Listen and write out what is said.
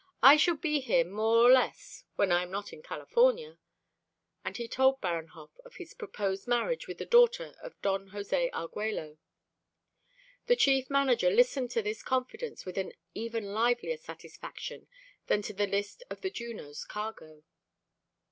I shall be here more or less when I am not in California." And he told Baranhov of his proposed marriage with the daughter of Don Jose Arguello. The Chief Manager listened to this confidence with an even livelier satisfaction than to the list of the Juno's cargo.